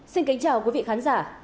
xin kính chào quý vị khán giả